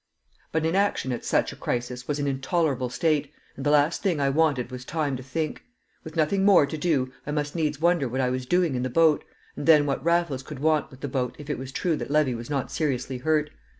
But inaction at such a crisis was an intolerable state, and the last thing I wanted was time to think. With nothing more to do I must needs wonder what I was doing in the boat, and then what Raffles could want with the boat if it was true that Levy was not seriously hurt.